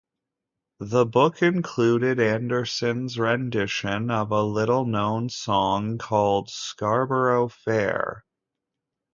The book included Anderson's rendition of a little-known song called "Scarborough Fair".